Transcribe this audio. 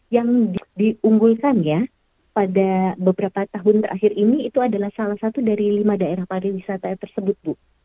yang diunggulkan ya pada beberapa tahun terakhir ini itu adalah salah satu dari lima daerah pariwisata tersebut bu